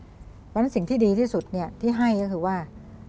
เพราะฉะนั้นสิ่งที่ดีที่สุดที่ให้ก็คือว่า